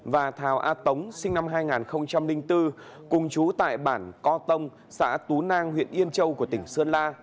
và thảo a tống sinh năm hai nghìn bốn cùng chú tại bản co tông xã tú nang huyện yên châu của tỉnh sơn la